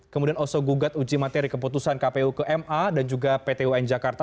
kemudian oso gugat uji materi keputusan kpu ke ma dan juga pt un jakarta